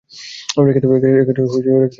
রেখে দাও ওখানে!